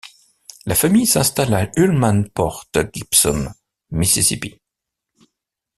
La famille s'installe à Ullman Port Gibson, Mississippi.